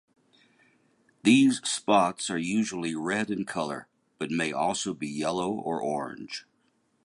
These spots are usually red in colour, but may also be yellow or orange.